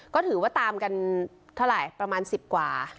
ก็ถือว่าตามกันเท่าไหร่ประมาณ๑๐กว่า